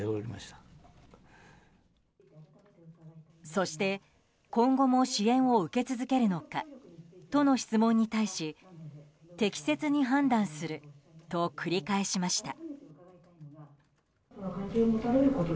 そして、今後も支援を受け続けるのかとの質問に対し適切に判断すると繰り返しました。